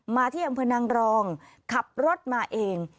ที่อำเภอนางรองขับรถมาเอง